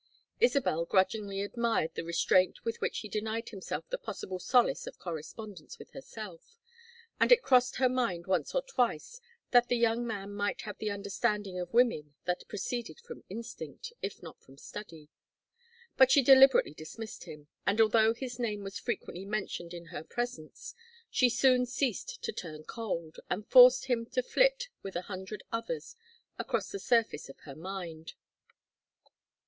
Isabel grudgingly admired the restraint with which he denied himself the possible solace of correspondence with herself, and it crossed her mind once or twice that the young man might have the understanding of women that proceeded from instinct, if not from study. But she deliberately dismissed him, and although his name was frequently mentioned in her presence, she soon ceased to turn cold, and forced him to flit with a hundred others across the surface of her mind.